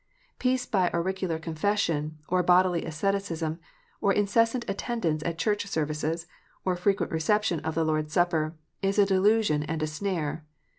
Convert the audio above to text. Peace by auricular confession, or bodily asceticism, or incessant attendance at Church services, or frequent reception of the Lord s Supper, is a delusion and a snare.